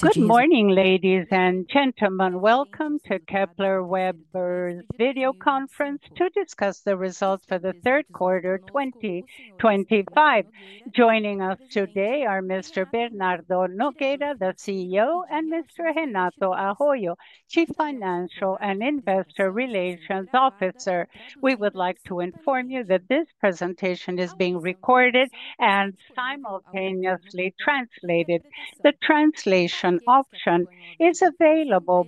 Good morning, ladies and gentlemen. Welcome to Kepler Weber's video conference to discuss the results for the third quarter 2025. Joining us today are Mr. Bernardo Nogueira, the CEO, and Mr. Renato Barbeiro, Chief Financial and Investor Relations Officer. We would like to inform you that this presentation is being recorded and simultaneously translated. The translation option is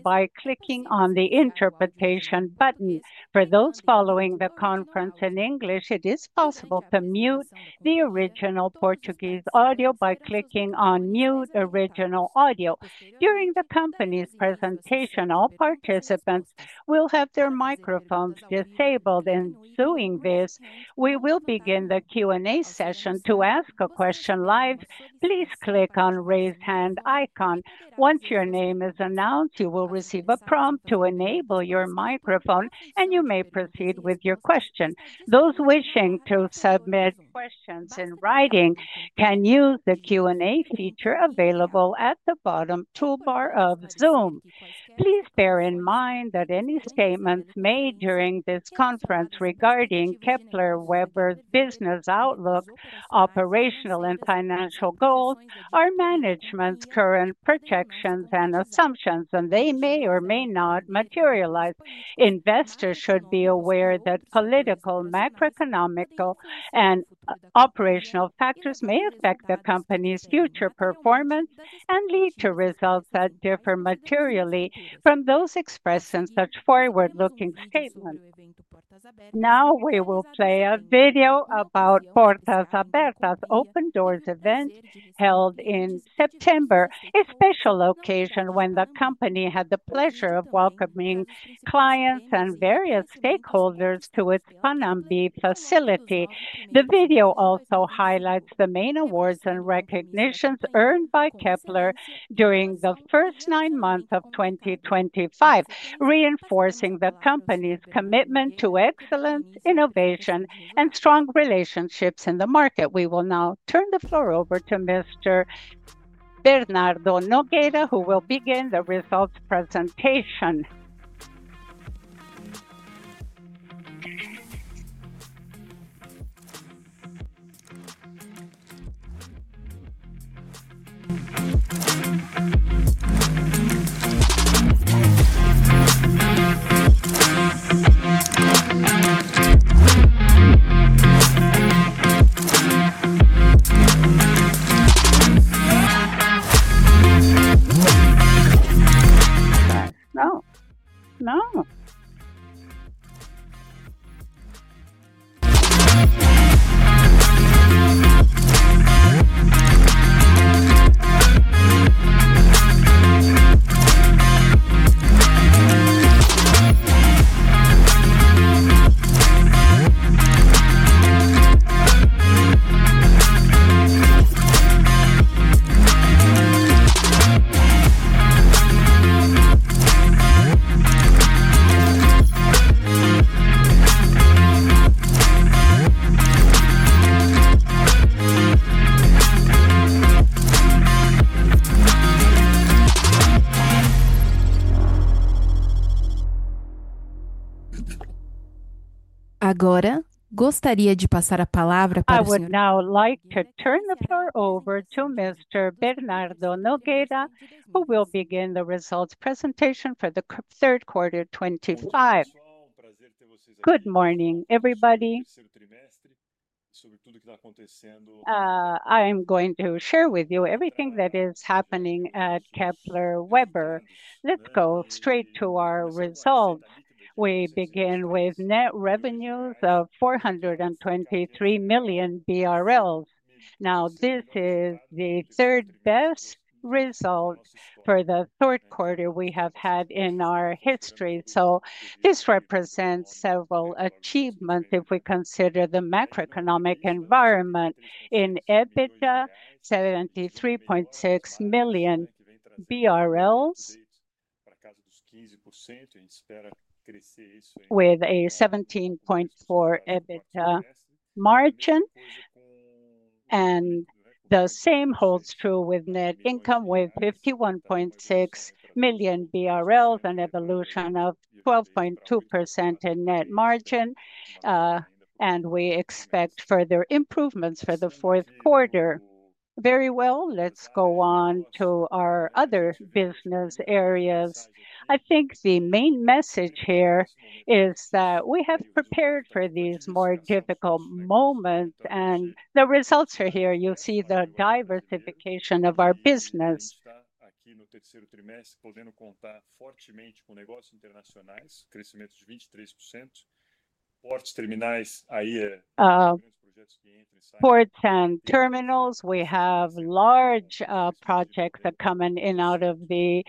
by clicking on the interpretation button for those following the conference. In English, it is possible to mute the original Portuguese audio by clicking on Mute original audio. During the company's presentation, all participants will have their microphones disabled and using this we will begin the Q and A session. To ask a question live, please click on the raise hand icon. Once your name is announced, you will receive a prompt to enable your microphone and you may proceed with your question. Those wishing to submit questions in writing can use the Q and A feature available at the bottom toolbar of Zoom. Please bear in mind that any statements made during this conference regarding Kepler Weber's business outlook, operational and financial goals are management's current projections and assumptions and they may or may not materialize. Investors should be aware that political, macroeconomic, and operational factors may affect the company's future performance and lead to results that differ materially from those expressed in such forward-looking statements. Now we will play a video about Porta Zaberta's Open Doors event held in September, a special occasion when the company had the pleasure of welcoming clients and various stakeholders to its Panambi facility. The video also highlights the main awards and recognitions earned by Kepler during the first nine months of 2025, reinforcing the company's commitment to excellence, innovation, and strong relationships in the market. We will now turn the floor over to Mr. Bernardo Nogueira, who will begin the results presentation. I would now like to turn the floor over to Mr. Bernardo Nogueira, who will begin the results presentation for the third quarter 2025. Good morning, everybody. I'm going to share with you everything that is happening at Kepler Weber. Let's go straight to our results. We begin with net revenues of 423 million BRL. Now, this is the third best result for the third quarter we have had in our history. This represents several achievements if we consider the macroeconomic environment in EBITDA, 73.6 million BRL with a 17.4% EBITDA margin, and the same holds true with net income with 51.6 million BRL, an evolution of 12.2% in net margin. We expect further improvements for the fourth quarter. Very well, let's go on to our other business areas. I think the main message here is that we have prepared for these more difficult moments and the results are here. You'll see the diversification of our business: ports and terminals. We have large projects that come in out of the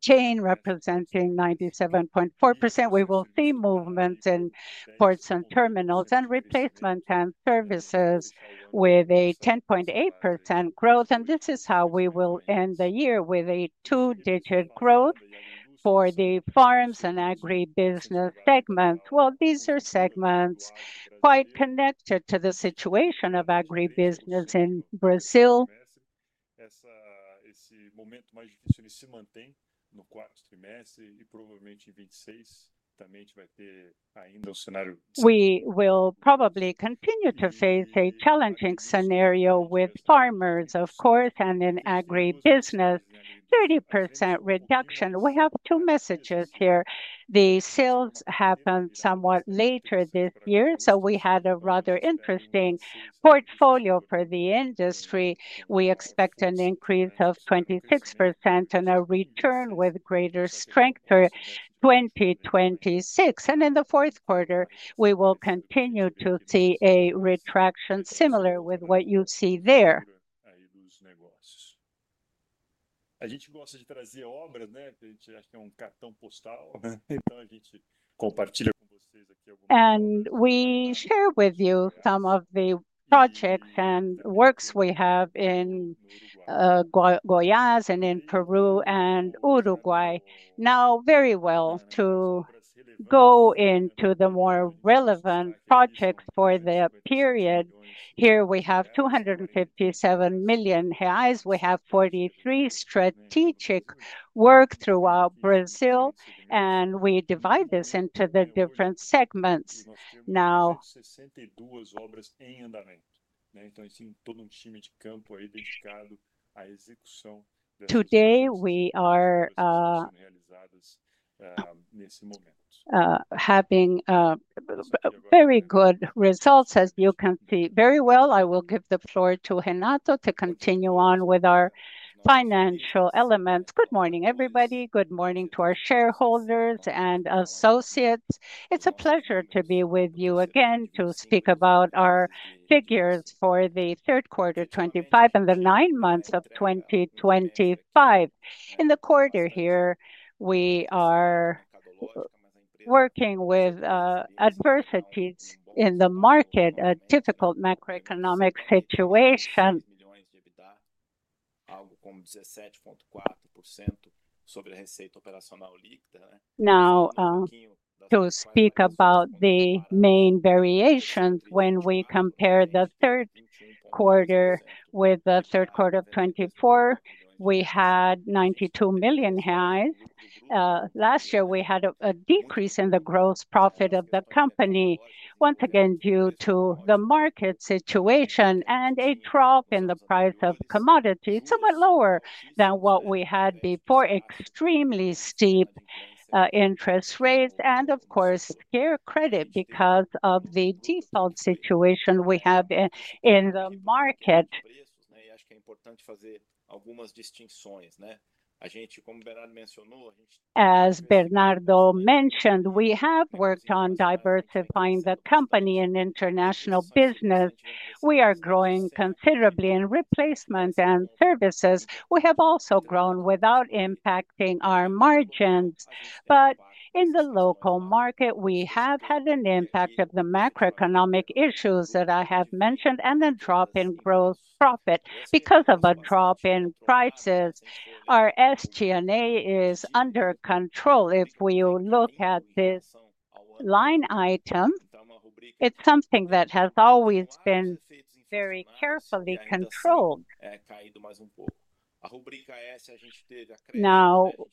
chain representing 97.4%. We will see movements in ports and terminals and replacement and services with a 10.8% growth. This is how we will end the year with a two-digit growth for the farms and agribusiness segments. These are segments quite connected to the situation of agribusiness in Brazil. We will probably continue to face a challenging scenario with farmers, of course, and in agribusiness, 30% reduction. We have two messages here. The sales happen somewhat later this year, so we had a rather interesting portfolio for the industry. We expect an increase of 26% and a return with greater strength for 2026. In the fourth quarter, we will continue to see a retraction similar with what you see there. We share with you some of the projects and works we have in Goiás and in Peru and Uruguay now. Very well, to go into the more relevant projects for the period, here we have 257 million reais. We have 43 strategic work throughout Brazil and we divide this into the different segments. Now today we are having very good results, as you can see. Very well, I will give the floor to continue on with our financial elements. Good morning everybody. Good morning to our shareholders and associates. It's a pleasure to be with you again to speak about our figures for the third quarter 2025 and the nine months of 2025. In the quarter, here we are working with adversities in the market, a difficult macroeconomic situation. Now to speak about the main variations, when we compare the third quarter with 3Q24, we had 92 million last year. We had a decrease in the gross profit of the company once again due to the market situation and a trough in the price of commodities, somewhat lower than what we had before. Extremely steep interest rates and of course care credit because of the default situation we have in the market. As Bernardo mentioned, we have worked on diversifying the company in international business. We are growing considerably in replacement and services. We have also grown without impacting our margins. In the local market, we have had an impact from the macroeconomic issues that I have mentioned and the drop in gross profit because of a drop in prices. Our SG&A is under control. If we look at this line item, it's something that has always been very carefully controlled.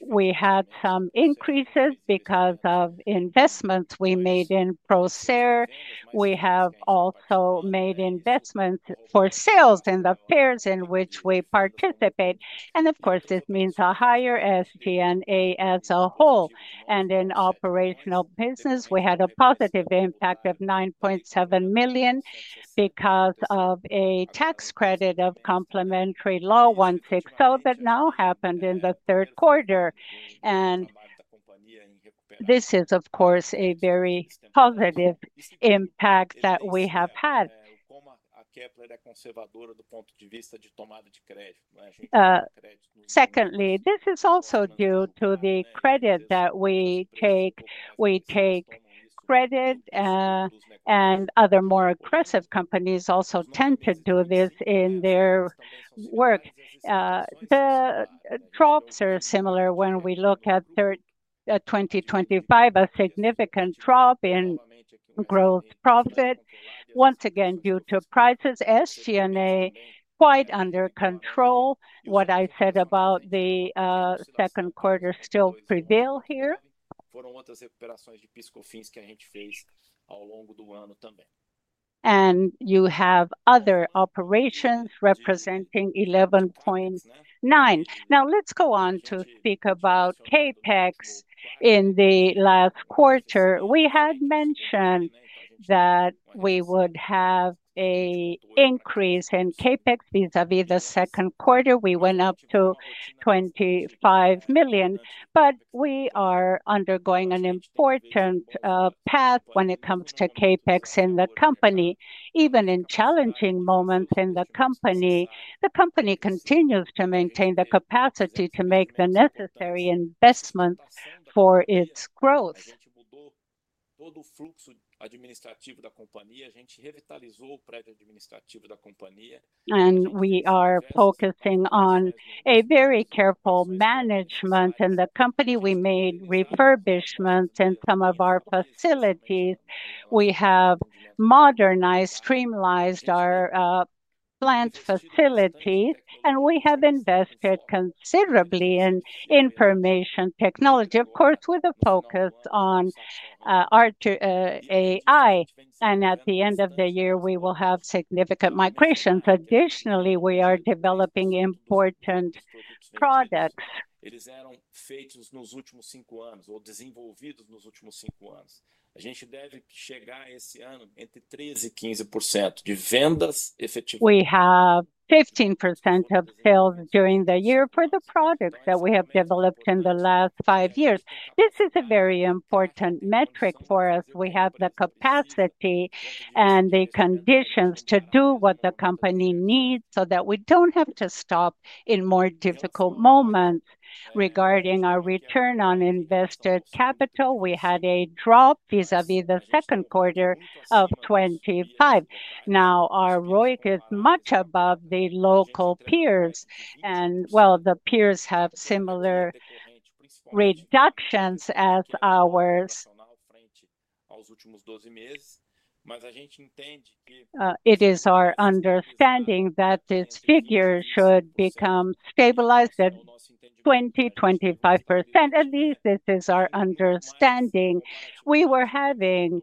We had some increases because of investments we made in the Procer platform. We have also made investments for sales in the peers in which we participate. This means a higher SG&A as a whole, and in operational business we had a positive impact of 9.7 million because of a tax credit of complementary law 160 that happened in the third quarter. This is a very positive impact that we have had. Secondly, this is also due to the credit that we take. We take credit and other more aggressive companies also tend to do this in their work. The troughs are similar. When we look at 2025, a significant drop in gross profit once again due to prices, SG&A quite under control. What I said about the second quarter still prevails here and you have other operations representing 11.9 million. Now let's go on to speak about CapEx. In the last quarter, we had mentioned that we would have an increase in CapEx vis-à-vis the second quarter. We went up to 25 million. We are undergoing an important path when it comes to CapEx in the company. Even in challenging moments in the company, the company continues to maintain the capacity to make the necessary investments for its growth. We are focusing on very careful management in the company. We made refurbishments in some of our facilities, have modernized and streamlined our plant facilities, and we have invested considerably in information technology, of course with a focus on AI-driven IT upgrades. At the end of the year, we will have significant migrations. Additionally, we are developing important products. We have 15% of sales during the year for the products that we have developed in the last five years. This is a very important metric for us. We have the capacity and the conditions to do what the company needs so that we don't have to stop in more difficult moments. Regarding our return on invested capital, we had a drop vis-à-vis 2Q25. Now our return on invested capital is much above the local peers and the peers have similar reductions as ours. It is our understanding that this figure should become stabilized at 20% to 25%. At least this is our understanding. We were having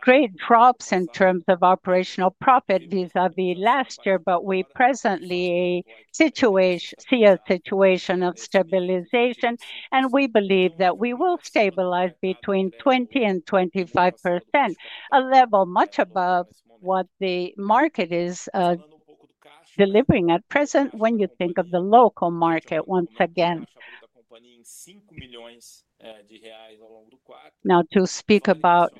great drops in terms of operational profit vis-à-vis last year, but we presently see a situation of stabilization and we believe that we will stabilize between 20% and 25%, a level much above what the market is delivering at present. When you think of the local market, once again now to speak about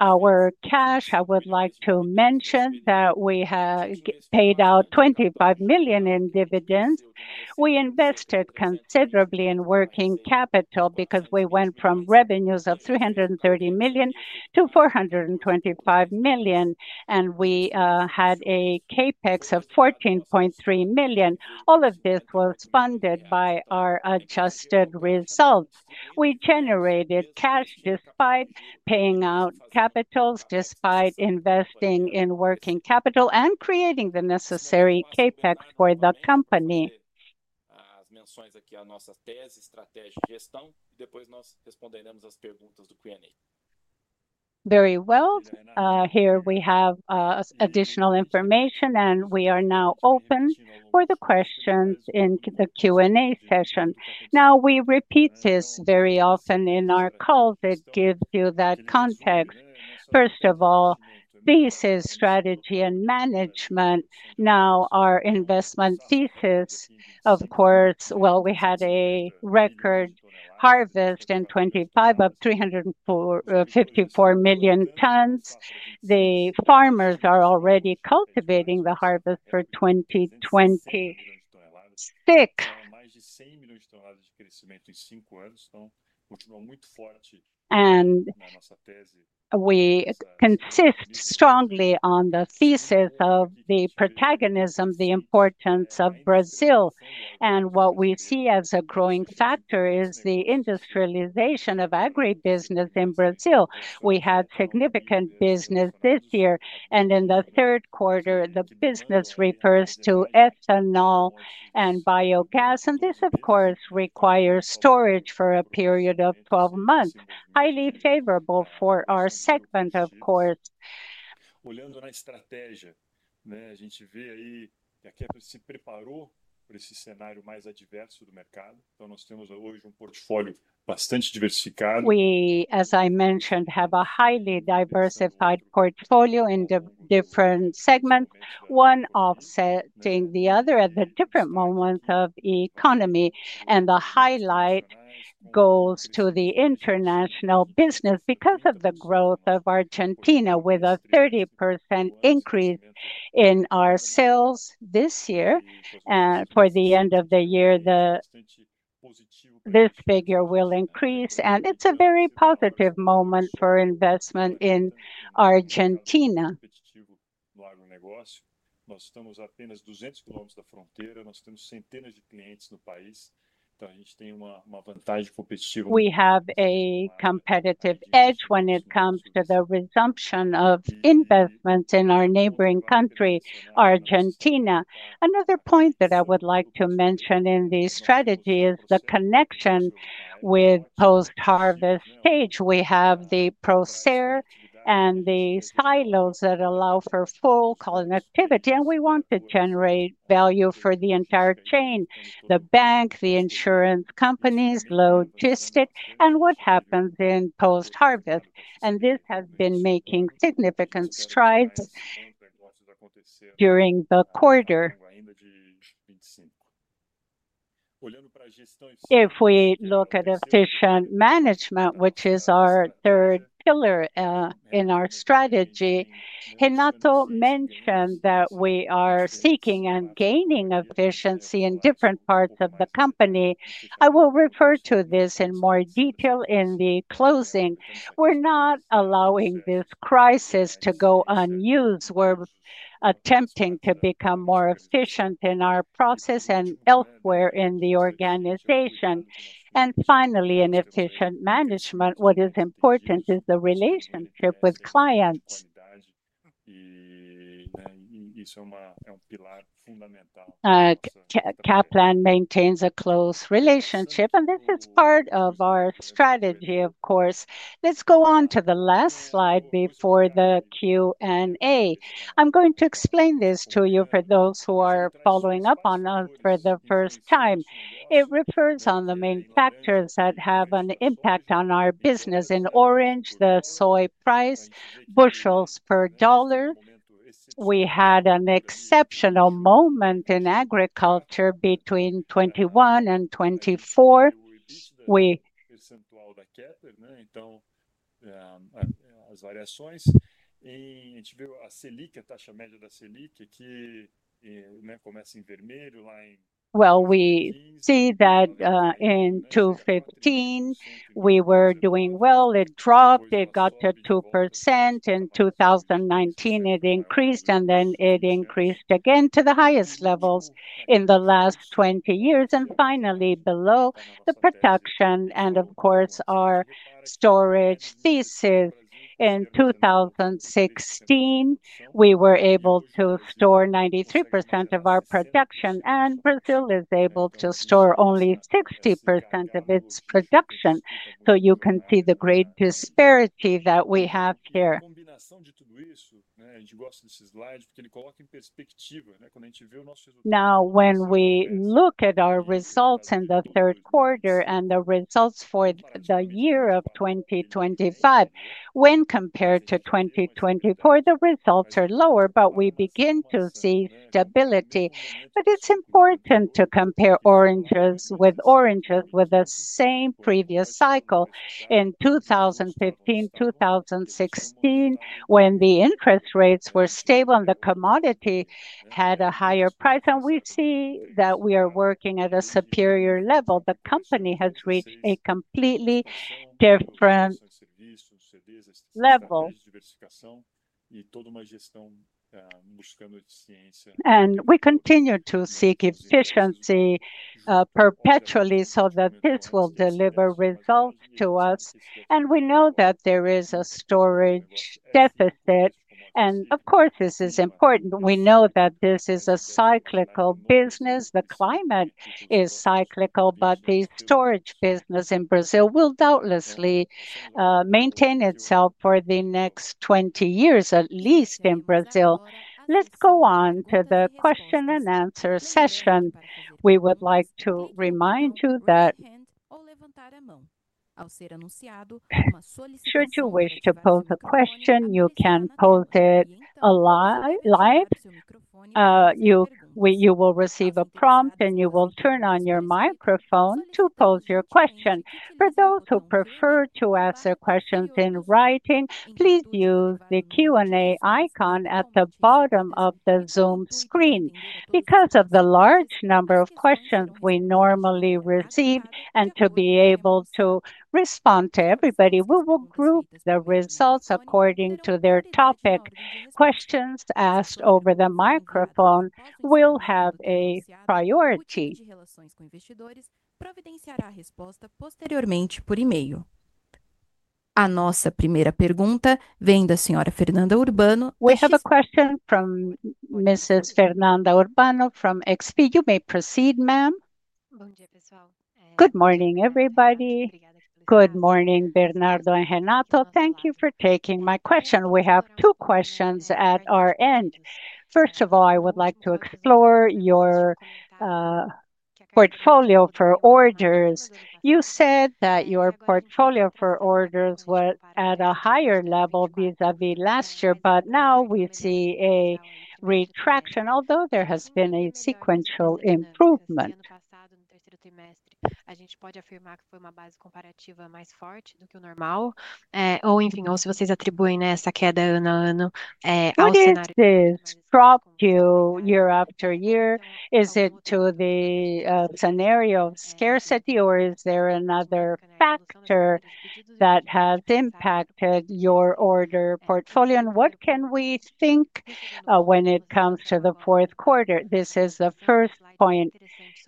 our cash, I would like to mention that we have paid out 25 million in dividends. We invested considerably in working capital because we went from revenues of 330 million to 425 million and we had a capex of 14.3 million. All of this was funded by our adjusted results. We generated cash despite paying out capital, despite investing in working capital and creating the necessary capex for the company. Very well, here we have additional information and we are now open for the questions in the Q&A session. We repeat this very often in our calls. It gives you that context. First of all, thesis, strategy and management. Now our investment thesis, of course. We had a record harvest in 2025 of 354 million tons. The farmers are already cultivating the harvest for 2026 and we consist strongly on the thesis of the protagonism, the importance of Brazil and what we see as a growing factor is the industrialization of agribusiness in Brazil. We had significant business this year and in the third quarter. The business refers to ethanol and biogas, and this of course requires storage for a period of 12 months, highly favorable for our segment. We, as I mentioned, have a highly diversified portfolio into different segments, one offsetting the other at the different moments of the economy, and the highlight goes to the international business because of the growth of Argentina, with a 30% increase in our sales this year. For the end of the year, this figure will increase and it's a very positive moment for investment in Argentina. We have a competitive edge when it comes to the resumption of investments in our neighboring country, Argentina. Another point that I would like to mention in the strategy is the connection with post-harvest stage. We have the Procer platform and the silos that allow for full connectivity and we want to generate value for the entire chain, the bank, the insurance companies, logistics and what happens in post-harvest. This has been making significant strides during the quarter. If we look at efficient management, which is our third pillar in our strategy, Renato mentioned that we are seeking and gaining efficiency in different parts of the company. I will refer to this in more detail in the closing. We're not allowing this crisis to go unused. We're attempting to become more efficient in our process and elsewhere in the organization. Finally, in efficient management, what is important is the relationship with clients. Kepler Weber maintains a close relationship and this is part of our strategy. Of course, let's go on to the last slide before the Q&A. I'm going to explain this to you. For those who are following up on us for the first time, it refers to the main factors that have an impact on our business. In orange, the soybeans price, bushels per dollar. We had an exceptional moment in agriculture between 2021 and 2024. We see that in two phases we were doing well. It dropped, it got to 2% in 2019, it increased, and then it increased again to the highest levels in the last 20 years and finally below the production. Of course, our storage thesis: in 2016, we were able to store 93% of our production and Brazil is able to store only 60% of its production. You can see the great disparity that we have here now. When we look at our results in the third quarter and the results for the year of 2025, when compared to 2024, the results are lower, but we begin to see stability. It's important to compare oranges with oranges, with the same previous cycle in 2015, 2016, when the interest rates were stable and the commodity had a higher price. We see that we are working at a superior level. The company has reached a completely different level. We continue to seek efficiency perpetually so that this will deliver results to us. We know that there is a storage deficit. Of course, this is important. We know that this is a cyclical business. The climate is cyclical. The storage business in Brazil will doubtlessly maintain itself for the next 20 years, at least in Brazil. Let's go on to the question and answer session. We would like to remind you that should you wish to pose a question, you can pose it live. You will receive a prompt and you will turn on your microphone to pose your question. For those who prefer to ask their questions in writing, please use the Q&A icon at the bottom of the Zoom screen. Because of the large number of questions we normally receive and to be able to respond to everybody, we will group the results according to their topic. Questions asked over the microphone will have a priority. We have a question from Mrs. Fernanda Urbano from XP. You may proceed, ma'am. Good morning, everybody. Good morning, Bernardo and Renato. Thank you for taking my question. We have two questions at our end. First of all, I would like to explore your order portfolio. You said that your order portfolio was at a higher level vis-à-vis last year, but now we see a retraction, although there has been a sequential improvement. What does this prompt you year after year? Is it due to the scenario of scarcity, or is there another factor that has impacted your order portfolio? What can we think when it comes to the fourth quarter? This is the first point.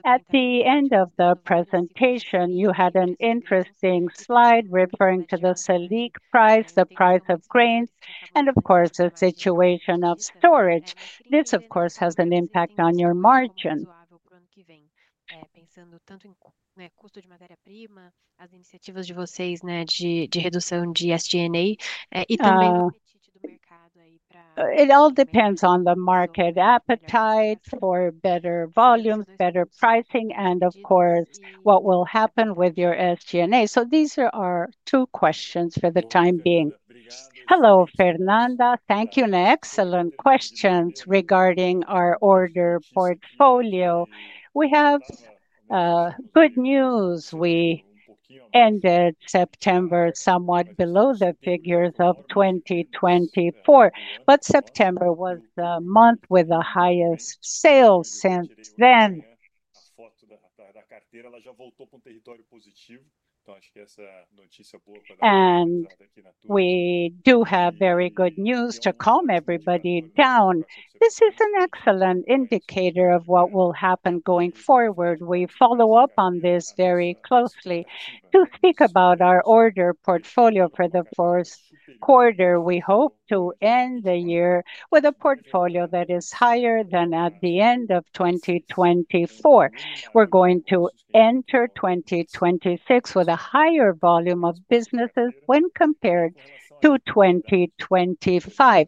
At the end of the presentation, you had an interesting slide referring to the Selic rate, the price of grains, and of course the situation of storage. This, of course, has an impact on your margin. It all depends on the market appetite for better volumes, better pricing, and of course, what will happen with your SG&A. These are our two questions for the time being. Hello, Fernanda. Thank you. Excellent questions. Regarding our order portfolio, we have good news. We ended September somewhat below the figures of 2024, but September was the month with the highest sales since then, and we do have very good news to calm everybody down. This is an excellent indicator of what will happen going forward. We follow up on this very closely. To speak about our order portfolio for the fourth and first quarter, we hope to end the year with a portfolio that is higher than at the end of 2024. We're going to enter 2026 with a higher volume of business when compared to 2025.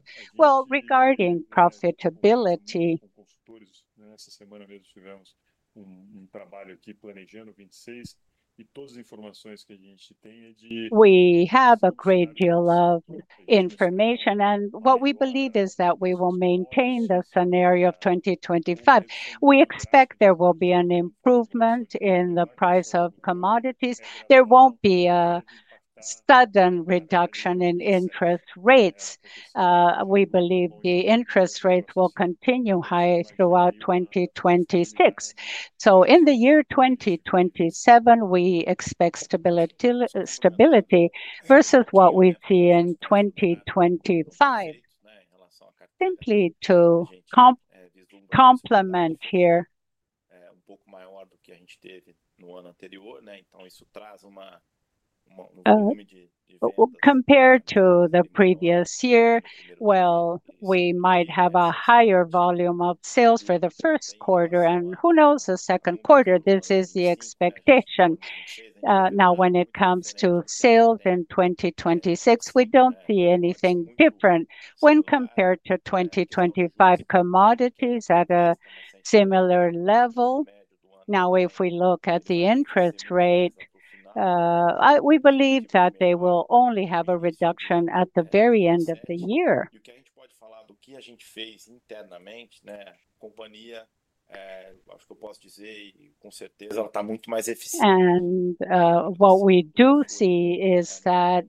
Regarding profitability, we have a great deal of information, and what we believe is that we will maintain the scenario of 2025. We expect there will be an improvement in the price of commodities. There won't be a sudden reduction in interest rates. We believe the interest rates will continue high throughout 2026. In the year 2027, we expect stability versus what we see in 2025. Simply to complement here, compared to the previous year, we might have a higher volume of sales for the first quarter and who knows, the second quarter. This is the expectation. Now, when it comes to sales in 2024, we don't see anything different when compared to 2025. Commodities at a similar level. If we look at the interest rate, we believe that they will only have a reduction at the very end of the year. What we do see is that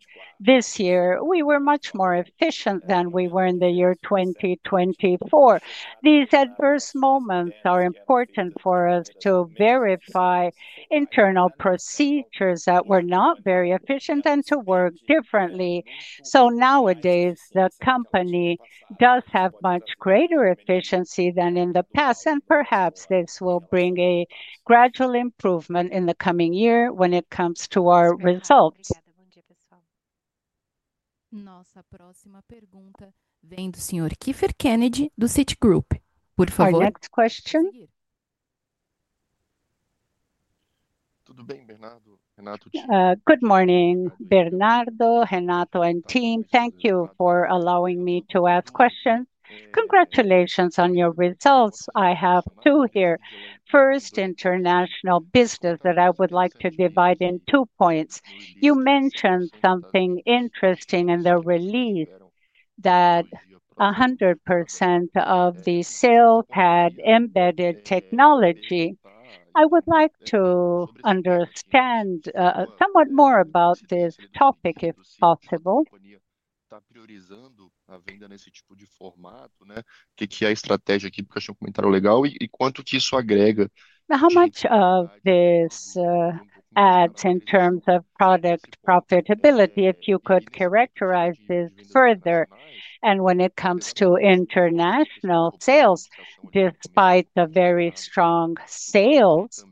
this year we were much more efficient than we were in the year 2024. These adverse moments are important for us to verify internal procedures that were not very efficient and to work differently. Nowadays the company does have much greater efficiency than in the past. Perhaps this will bring a gradual improvement in the coming year when it comes to our results. Our next question. Good morning, Bernardo, Renato, and team. Thank you for allowing me to ask questions. Congratulations on your results. I have two here. First, international business that I would like to divide in two points. You mentioned something interesting in the release that 100% of the sales had embedded technology. I would like to understand somewhat more about this topic, if possible, how much of this in terms of product profitability, if you could characterize this further. When it comes to international sales, despite the very strong sales,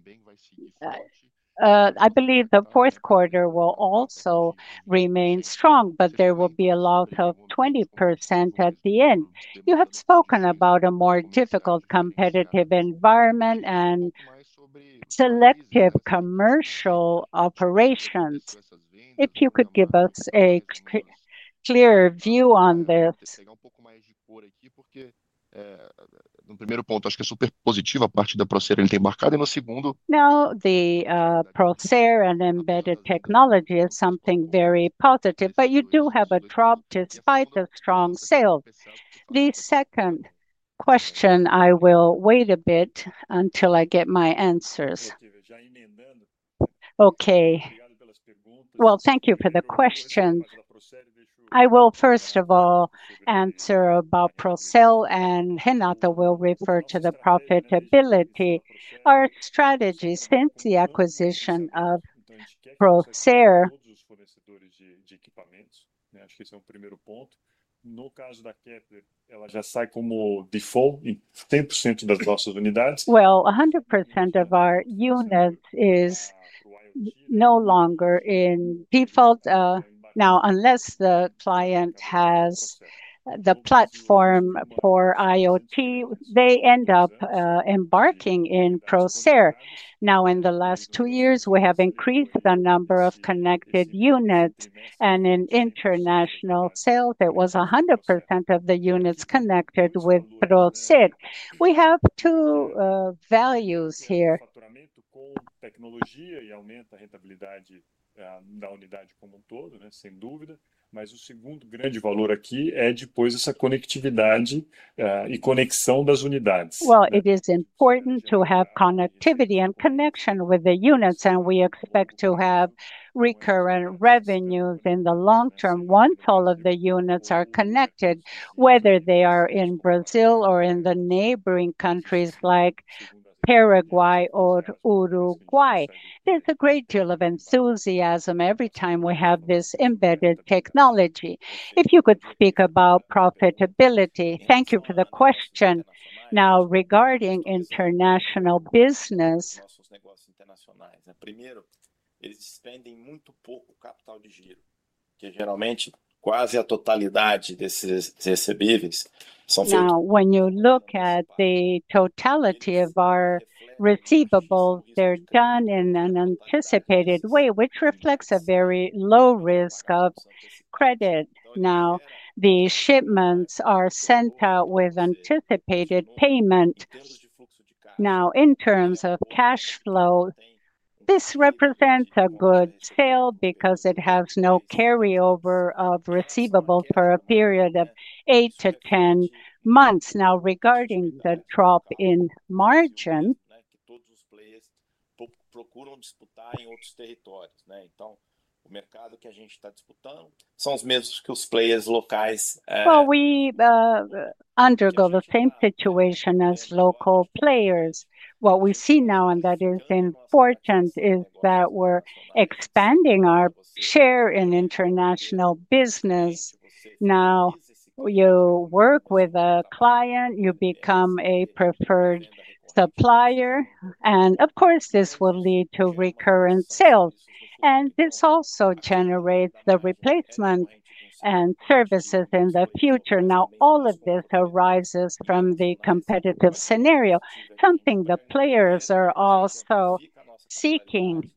I believe the fourth quarter will also remain strong. There will be a loss of 20% at the end. You have spoken about a more difficult competitive environment and selective commercial operations. If you could give us a clear view on this. Now, the Procer and embedded technology is something very positive. You do have a drop despite the strong sale. The second question. I will wait a bit until I get my answers. Thank you for the question. I will first of all answer about Procer and Renato will refer to the profitability. Our strategy since the acquisition of Procer. 100% of our unit is no longer in default. Unless the client has the platform for IoT, they end up embarking in Procer. In the last two years we have increased the number of connected units and in international sales was 100% of the units connected with Procer. We have two values here. It is important to have connectivity and connection with the units. We expect to have recurrent revenues in the long term once all of the units are connected, whether they are in Brazil or in the neighboring countries like Paraguay or Uruguay. There's a great deal of enthusiasm every time we have this embedded technology. If you could speak about profitability. Thank you for the question. Now, regarding international. Now, when you look at the totality of our receivables, they're done in an anticipated way, which reflects a very low risk of credit. The shipments are sent out with anticipated payment. In terms of cash flow, this represents a good sale because it has no carryover of receivable for a period of 8 to 10 months. Regarding the drop in margin, we undergo the same situation as local players. What we see now, and that is important, is that we're expanding our share in international business. You work with a client, you become a preferred supplier. Of course, this will lead to recurrent sales. This also generates the replacement and services in the future. All of this arises from the competitive scenario, something the players are also seeking.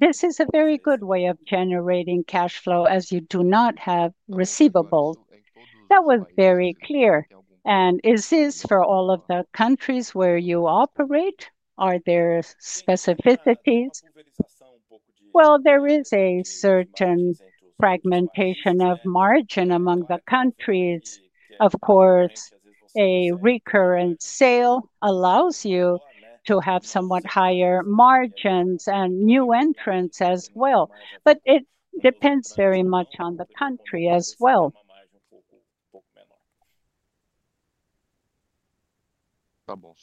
This is a very good way of generating cash flow as you do not have receivables. That was very clear. Is this for all of the countries where you operate? Are there specificities? There is a certain fragmentation of margin among the countries. Of course, a recurrent sale allows you to have somewhat higher margins and new entrants as well. It depends very much on the country as well. My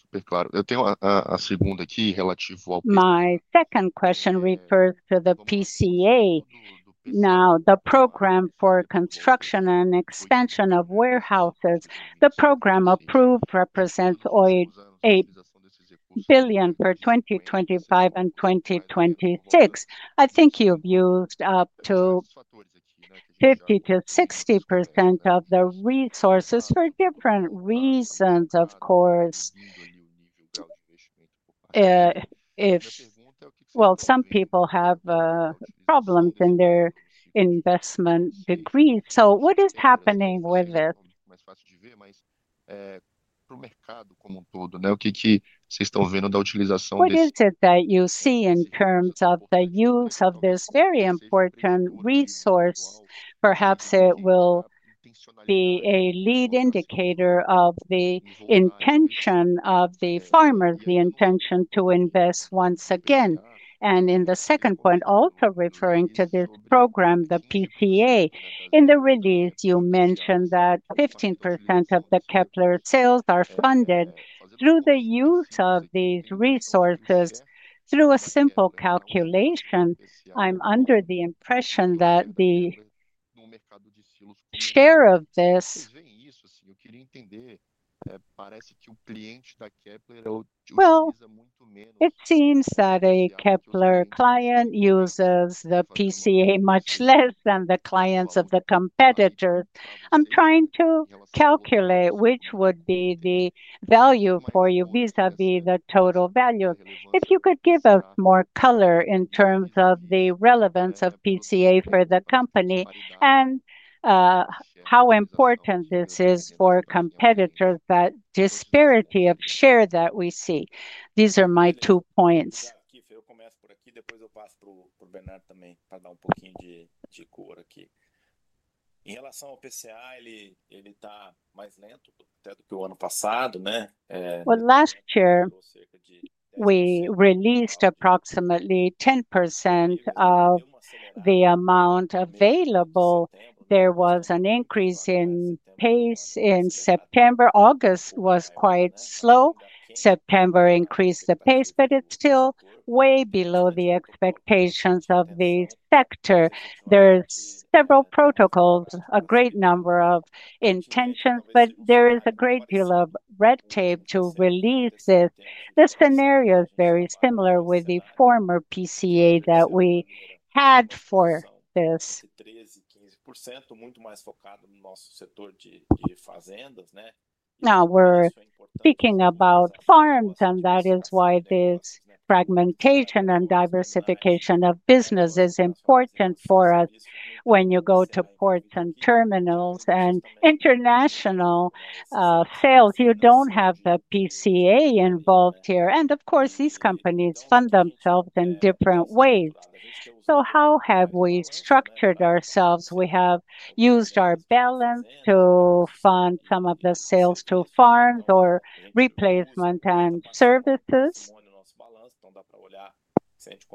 second question refers to the PCA. The program for construction and expansion of warehouses, the program approved represents 8 billion for 2025 and 2026. I think you've used up to 50% to 60% of the resources for different, different reasons, of course. Some people have problems in their investment degrees. What is happening with it? What is it that you see in terms of the use of this very important resource? Perhaps it will be a lead indicator of the intention of the farmers, the intention to invest once again. In the second point, also referring to this program, the PCA, in the release you mentioned that 15% of the Kepler Weber S.A. sales are funded through the use of these resources. Through a simple calculation, I'm under the impression that the share of this. It seems that a Kepler Weber S.A. client uses the PCA much less than the clients of the competitors. I'm trying to calculate which would be the value for you vis a vis the total value. If you could give us more color in terms of the relevance of PCA for the company and how important this is for competitors, that disparity of share that we see. These are my two points. Last year we released approximately 10% of the amount available. There was an increase in pace in September. August was quite slow, September increased the pace, but it's still way below the expectations of the sector. There are several protocols, a great number of intentions, but there is a great deal of red tape to release this. The scenario is very similar with the former PCA that we had for this. Now we're speaking about farms. That is why this fragmentation and diversification of business is important for us. When you go to ports and terminals and international sales, you don't have the PCA stay involved here. Of course, these companies fund themselves in different ways. How have we structured ourselves? We have used our balance to fund some of the sales to farms or replacement and services. We look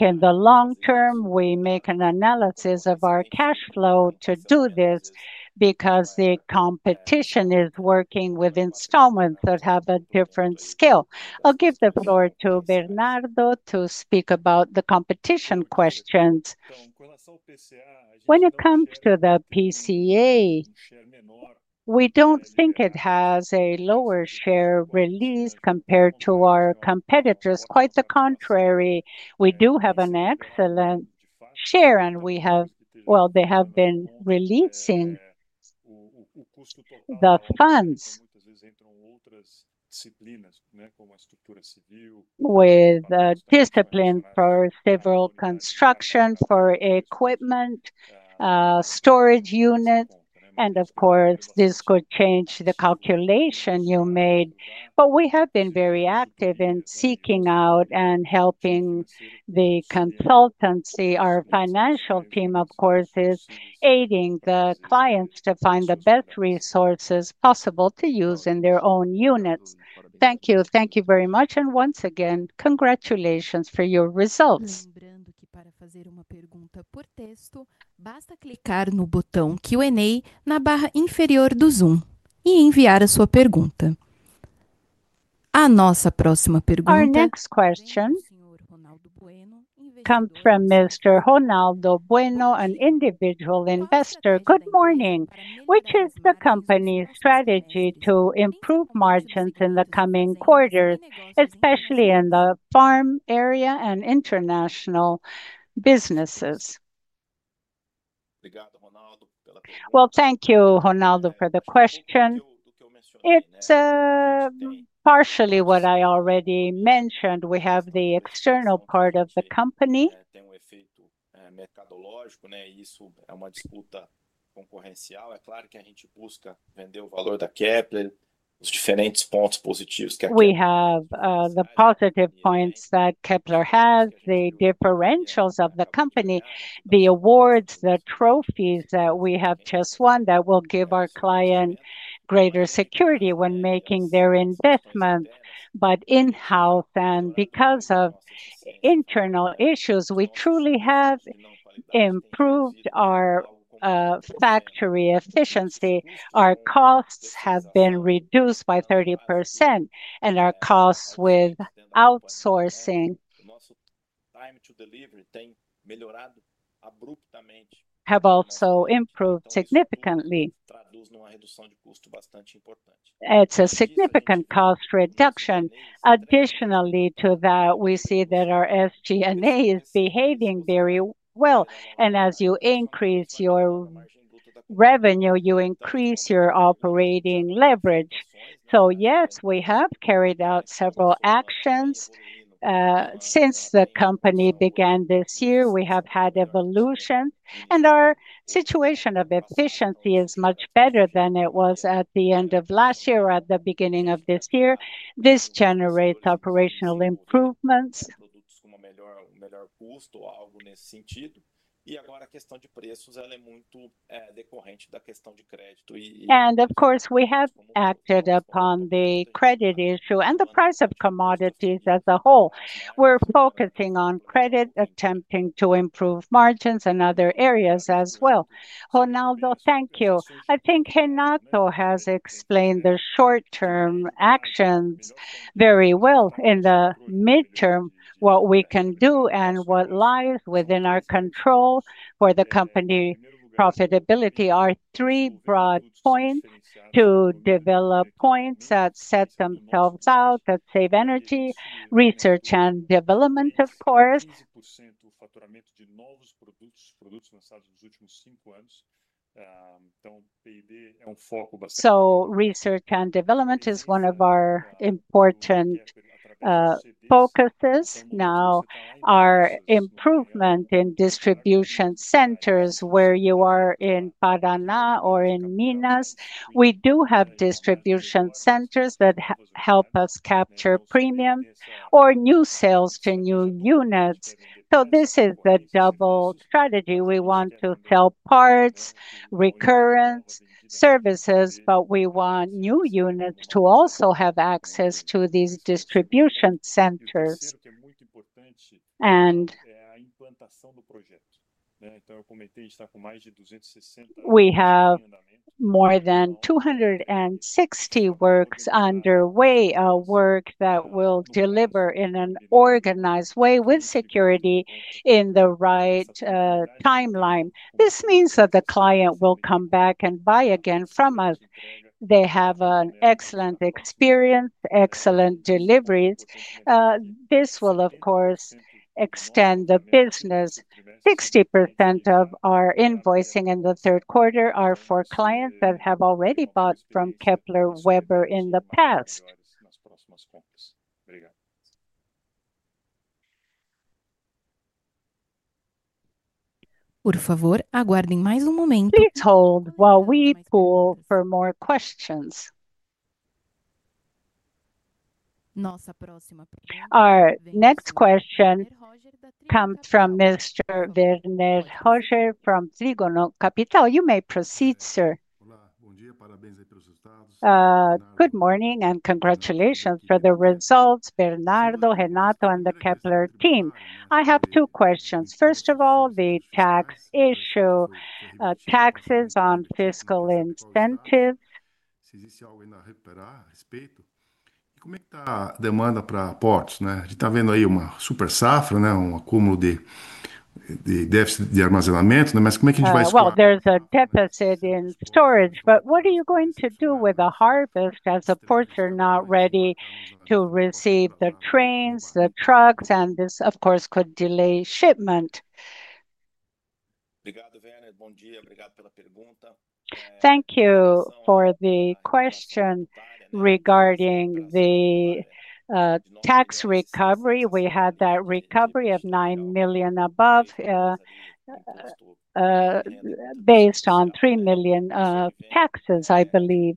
in the long term, we make an analysis of our cash flow to do this because the competition is working with installments that have a different skill. I'll give the floor to Bernardo to speak about the competition questions. When it comes to the PCA, we don't think it has a lower share release compared to our competitors. Quite the contrary, we do have an excellent share and we have. They have been releasing the funds with discipline for several construction for equipment storage units. Of course, this could change the calculation you made. We have been very active in seeking out and helping the consultancy. Our financial team, of course, is aiding the clients to find the best resources possible to use in their own units. Thank you. Thank you very much. Once again, congratulations for your results. Our next question comes from Mr. Ronaldo Bueno, an individual investor. Good morning. Which is the company's strategy to improve margins in the coming quarters, especially in the farm area and international businesses. Thank you, Ronaldo, for the question. It's partially what I already mentioned. We have the external part of the company. We have the positive points that Kepler Weber has. The differentials of the company, the awards, the trophies that we have just won that will give our client greater security when making their investments. In house and because of internal issues, we truly have improved our factory efficiency. Our costs have been reduced by 30%. Our costs with outsourcing time to deliver, thank you, have also improved significantly. It's a significant cost reduction. Additionally to that, we see that our SG&A is behaving very well. As you increase your revenue, you increase your operating leverage. Yes, we have carried out several actions since the company began this year. We have had evolution and our situation of efficiency is much better than it was at the end of last year, at the beginning of this year. This generates operational improvements. Of course, we have acted upon the credit issue and the price of commodities as a whole. We're focusing on credit, attempting to improve margins and other areas as well. Ronaldo, thank you. I think Renato has explained the short-term actions very well. In the midterm, what we can do and what lies within our control for the company profitability are three broad points to develop, points that set themselves up, that save energy. Research and development, of course. Research and development is one of our important focuses now. Our improvement in distribution centers, whether you are in Parana or in Minas, we do have distribution centers that help us capture premiums or new sales to new units. This is the double strategy. We want to sell parts, recurrence services, but we want new units to also have access to these distribution centers. We have more than 260 works underway, work that will deliver in an organized way, with security in the right timeline. This means that the client will come back and buy again from us. They have an excellent experience, excellent deliveries. This will, of course, extend the business as 60% of our invoicing in the third quarter are for clients that have already bought from Kepler Weber in the past. Please hold while we pull for more questions. Our next question comes from Mr. Werner Hojer from Trigono Capital. You may proceed, sir. Good morning and congratulations for the results, Bernardo, Renato, and the Kepler team. I have two questions. First of all, the tax issue. Taxes on fiscal incentives. There's a deficit in storage, but what are you going to do with the harvest as the ports are not ready to receive the trains, the trucks? This, of course, could delay shipment. Thank you for the question regarding the tax recovery. We had that recovery of 9 million above based on 3 million taxes. I believe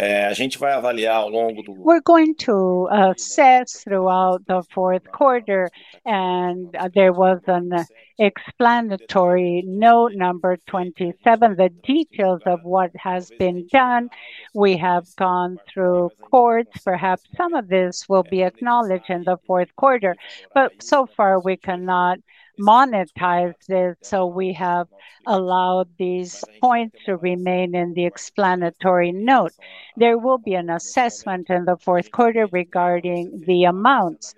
we're going to assess throughout the fourth quarter. There was an explanatory note number 27, the details of what has been done. We have gone through courts. Perhaps some of this will be acknowledged in the fourth quarter, but so far we cannot monetize this. We have allowed these points to remain in the explanatory note. There will be an assessment in the fourth quarter regarding the amount.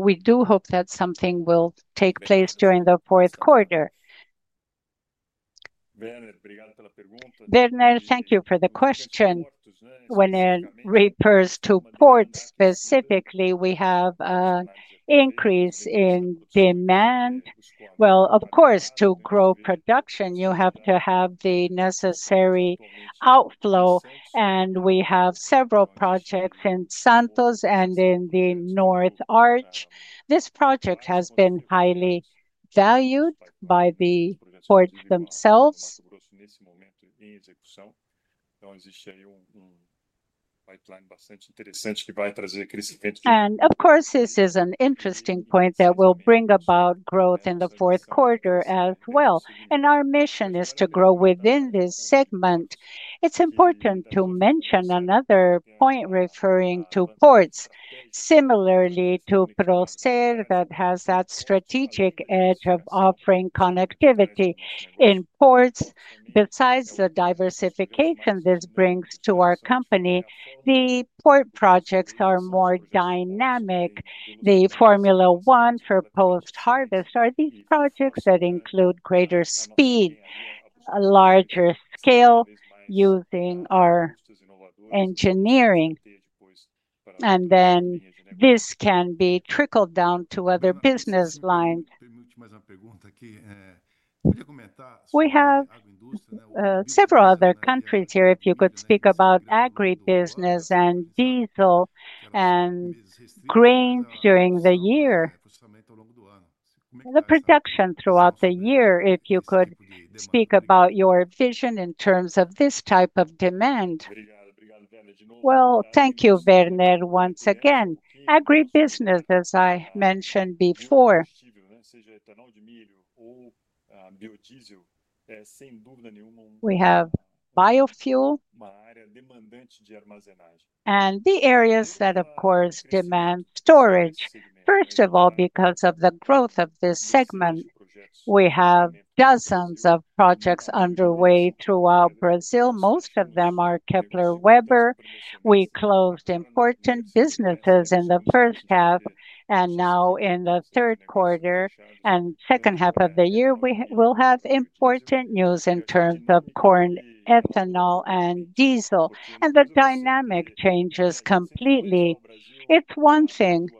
We do hope that something will take place during the fourth quarter. Bernard, thank you for the question. When it refers to port specifically, we have increase in demand. Of course, to grow production, you have to have the necessary outflow. We have several projects in Santos and in the North Arch. This project has been highly valued by the ports themselves. This is an interesting point that will bring about growth in the fourth quarter as well. Our mission is to grow within this segment. It's important to mention another point referring to ports. Similarly to that, it has that strategic edge of offering connectivity in ports. Besides the diversification this brings to our company, the port projects are more dynamic. The Formula 1 for post-harvest are these projects that include greater speed, a larger scale using our engineering. This can be trickled down to other business lines. We have several other countries here. If you could speak about agribusiness and diesel and grains during the year, the production throughout the year. If you could speak about your vision in terms of this type of demand. Thank you, Werner. Once again, agribusiness. As I mentioned before, we have biofuel and the areas that of course demand storage. First of all, because of the growth of this segment, we have dozens of projects underway throughout Brazil. Most of them are Kepler Weber. We closed important businesses in the first half and now in the third quarter and second half of the year, we will have important news in terms of corn, ethanol, and diesel. The dynamic changes completely. It's one thing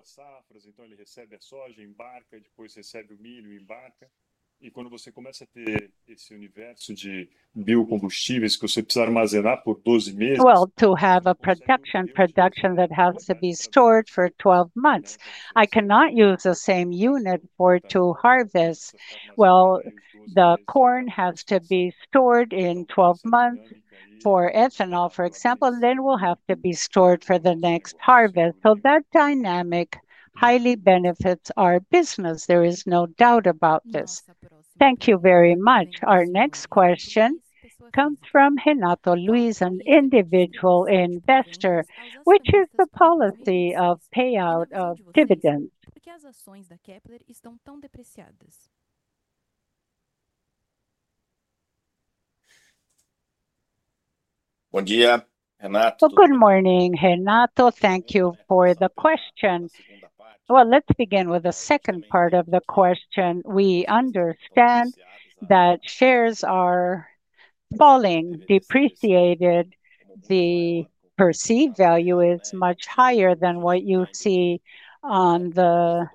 to have a production that has to be stored for 12 months. I cannot use the same unit for two harvests. The corn has to be stored in 12 months for ethanol, for example, then will have to be stored for the next harvest. That dynamic highly benefits our business. There is no doubt about this. Thank you very much. Our next question comes from Renato Luiz, an individual investor, which is the policy of payout of dividends. Good morning, Renato. Thank you for the question. Let's begin with the second part of the question. We understand that shares are falling, depreciated, the perceived value is much higher than what you see on the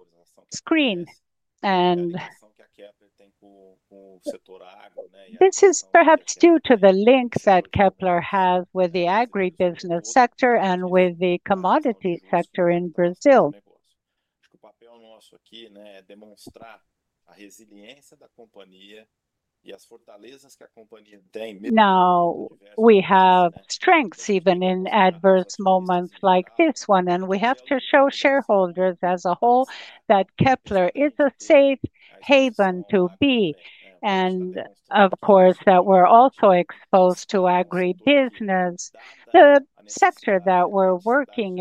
screen. This is perhaps due to the link that Kepler Weber S.A. has with the agribusiness sector and with the commodity identity sector in Brazil. We have strengths even in adverse moments like this one. We have to show shareholders as a whole that Kepler Weber S.A. is a safe haven to be. Of course, we're also exposed to agri display. The sector that we're working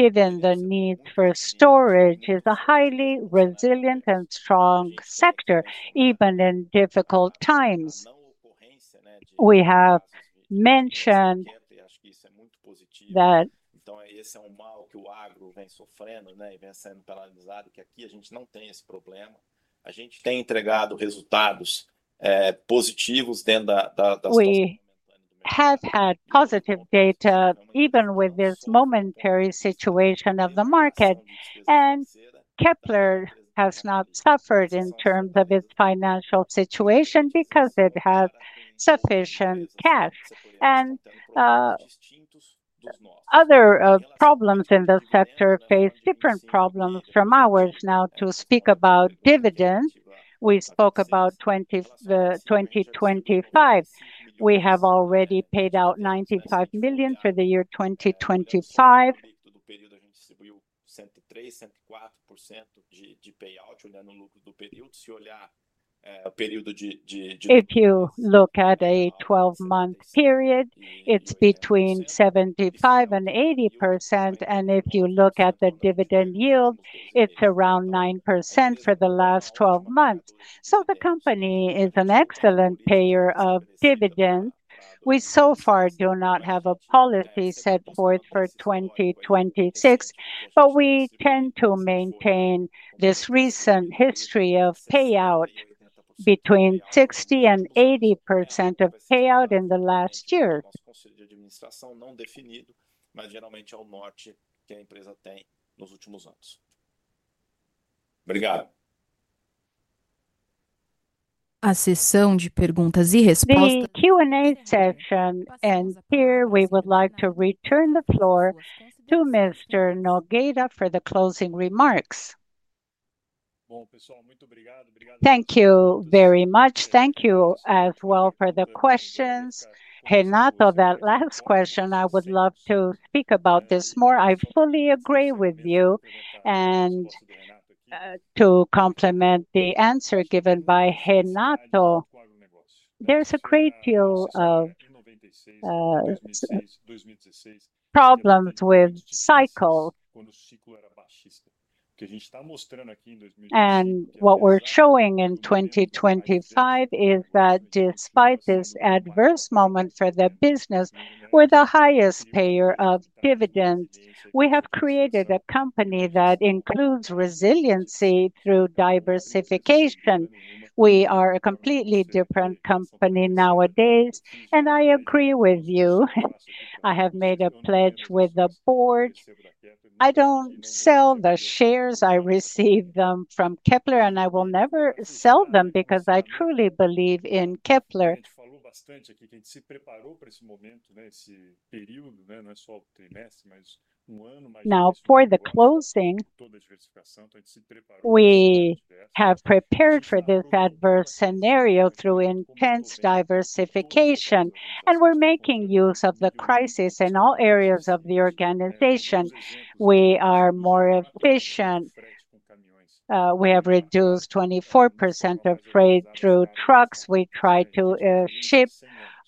in, given the need for storage, is a highly resilient and strong sector, even in difficult times. We have mentioned we have had positive data even with this momentary situation of the market. Kepler Weber S.A. has not suffered in terms of its financial situation because it has sufficient cash. Other problems in the sector face different problems from ours. To speak about dividends, we spoke about 2025. We have already paid out 95 million for the year 2025. If you look at a 12-month period, it's between 75% and 80%. If you look at the dividend yield, it's around 9% for the last 12 months. The company is an excellent payer of dividends. We so far do not have a policy set forth for 2026, but we tend to maintain this recent history of payout between 60% and 80% of payout in the last year. Here we would like to return the floor to Mr. Nogueira for the closing remarks. Thank you very much. Thank you as well for the questions. Renato, that last question, I would love to speak about this more. I fully agree with you. To complement the answer given by Renato, there's a great deal of problems with cycle. What we're showing in 2025 is that despite this adverse moment for the business, we're the highest payer of dividends. We have created a company that includes resiliency through diversification. We are a completely different company nowadays and I agree with you. I have made a pledge with the board. I don't sell the shares. I receive them from Kepler Weber S.A. and I will never sell them because I truly believe in Kepler Weber S.A. For the closing, we have prepared for this adverse scenario through intense diversification and we're making use of the crisis in all areas of the organization. We are more efficient. We have reduced 24% of freight through trucks. We try to ship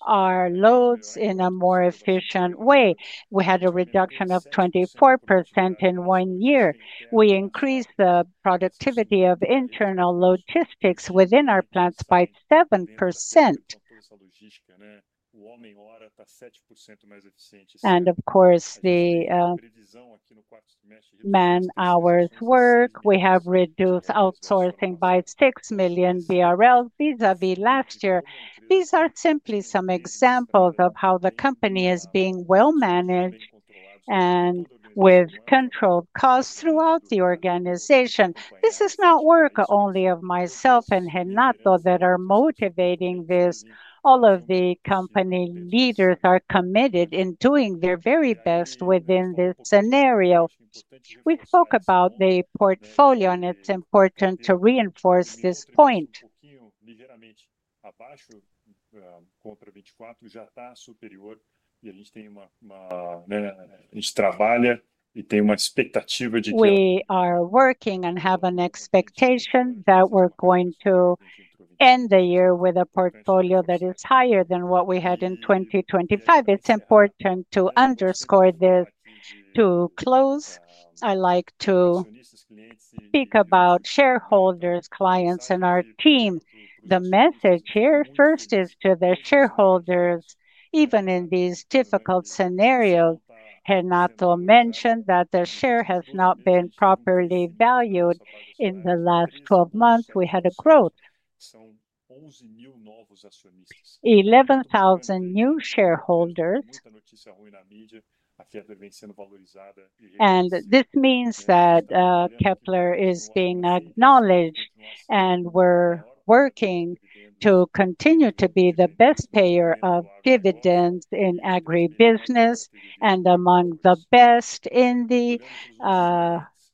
our loads in a more efficient way. We had a reduction of 24% in one year. We increased the productivity of internal logistics within our plants by 7%. The man hours work. We have reduced outsourcing by 6 million BRL vis-à-vis last year. These are simply some examples of how the company is being well managed and with controlled costs throughout the organization. This is not work only of myself and Renato that are motivating this. All of the company leaders are committed in doing their very best within this scenario. We spoke about the portfolio and it's important to reinforce this point. We are working and have an expectation that we're going to end the year with a portfolio that is higher than what we had in 2025. It's important to underscore this to close. I like to speak about shareholders, clients, and our team. The message here first is to the shareholders even in these difficult scenarios. Renato mentioned that the share has not been properly valued in the last 12 months. We had a growth of 11,000 new shareholders and this means that Kepler Weber S.A. is being acknowledged and we're working to continue to be the best payer of dividends in agribusiness and among the best in the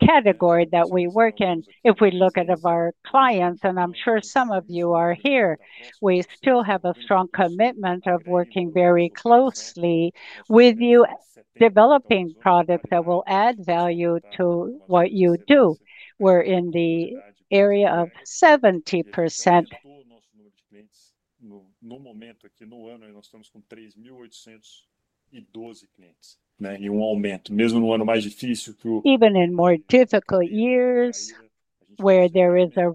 category that we work in. If we look at our clients, and I'm sure some of you are here, we still have a strong commitment of working very closely with you, developing products that will add value to what you do. We're in the area of 70%. Even in more difficult years where there is a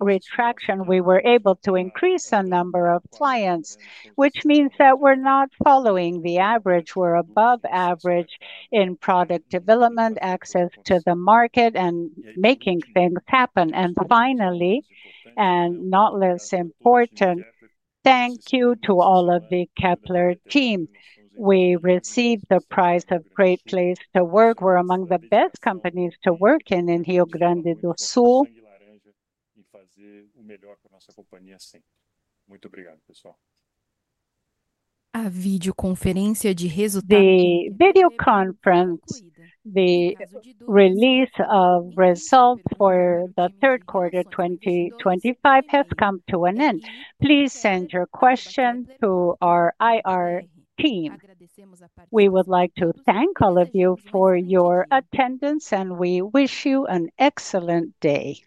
retraction, we were able to increase the number of clients, which means that we're not following the average. We're above average in product development, access to the market, and making things happen. Finally, and not less important, thank you to all of the Kepler team. We received the prize of Great Place to Work. We're among the best companies to work in. In Rio Grande do Sul, The video conference for the release of results for the third quarter 2025 has come to an end. Please send your question to our IR team. We would like to thank all of you for your attendance and we wish you an excellent day.